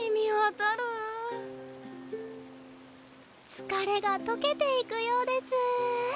疲れが解けていくようです。